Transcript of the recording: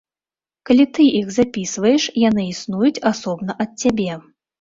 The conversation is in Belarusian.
Калі ты іх запісваеш, яны існуюць асобна ад цябе.